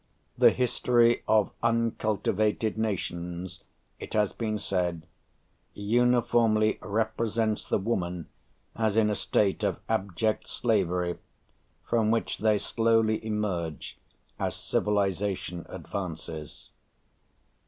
'The history of uncultivated nations,' it has been said, 'uniformly represents the women as in a state of abject slavery, from which they slowly emerge as civilisation advances.'